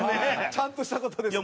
ちゃんとした事ですね。